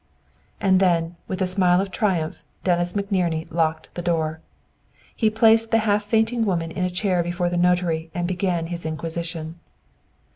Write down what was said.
And then, with a smile of triumph, Dennis McNerney locked the door. He placed the half fainting woman in a chair before the notary and began his inquisition.